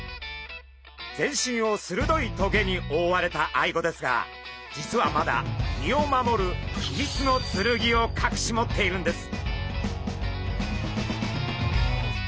全身をするどい棘におおわれたアイゴですが実はまだ身を守る秘密の剣をかくし持っているんです。